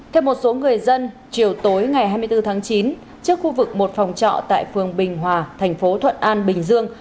theo một số người dân chiều tối ngày hai mươi bốn tháng chín trước khu vực một phòng trọ tại phường bình hòa thành phố thuận an bình dương